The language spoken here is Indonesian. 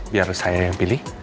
biar saya yang pilih